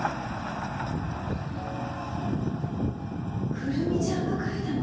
くるみちゃんが描いたの？